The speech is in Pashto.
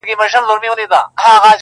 د لېوه ستوني ته سر یې کړ دننه!!